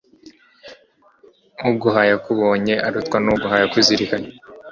uguhaye akubonye arutwa n'uguhaye akuzirikanye